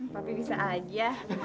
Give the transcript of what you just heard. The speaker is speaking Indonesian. papi bisa aja